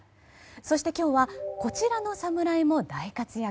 そして、今日はこちらの侍も大活躍！